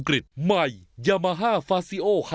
เกิดเรื่องแล้วนะ